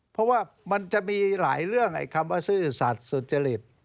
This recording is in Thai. เพราะว่ามันจะมีหลายเรื่องไอ้คำว่าซื่อสัตว์สุจริต